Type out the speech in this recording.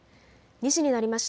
２時になりました。